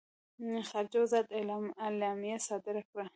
خارجه وزارت اعلامیه صادره کړه.